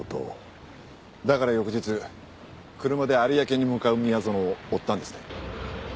だから翌日車で有明に向かう宮園を追ったんですね。